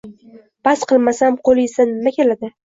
Bas qilmasam qo‘liyizdan nima keladi…